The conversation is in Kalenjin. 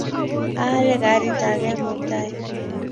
Aale karit age mutai